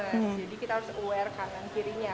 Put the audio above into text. jadi kita harus aware kanan kirinya